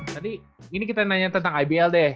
tadi ini kita nanya tentang ibl deh